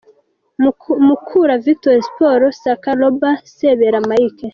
Mukura Vikitori Siporo: Saaka Rober, Sebera Mike.